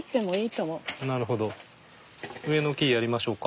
上の木やりましょうか？